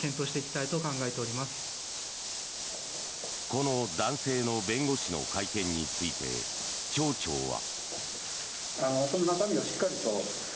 この男性の弁護士の会見について、町長は。